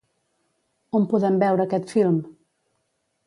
On podem veure aquest film?